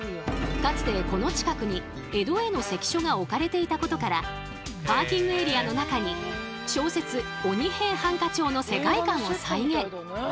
かつてこの近くに江戸への関所が置かれていたことからパーキングエリアの中に小説「鬼平犯科帳」の世界観を再現。